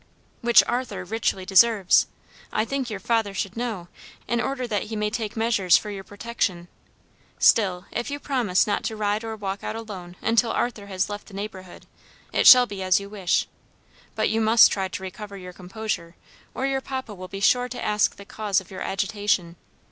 "Which Arthur richly deserves. I think your father should know, in order that he may take measures for your protection. Still, if you promise not to ride or walk out alone until Arthur has left the neighborhood, it shall be as you wish. But you must try to recover your composure, or your papa will be sure to ask the cause of your agitation.